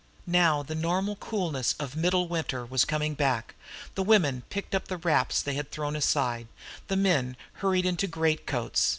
Now the normal coolness of middle winter was coming back. The women picked up the wraps they had thrown aside; the men hurried into greatcoats.